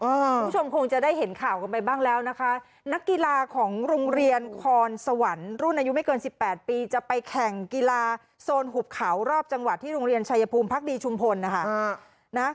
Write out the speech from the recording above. คุณผู้ชมคงจะได้เห็นข่าวกันไปบ้างแล้วนะคะนักกีฬาของโรงเรียนคอนสวรรค์รุ่นอายุไม่เกินสิบแปดปีจะไปแข่งกีฬาโซนหุบเขารอบจังหวัดที่โรงเรียนชายภูมิพักดีชุมพลนะคะ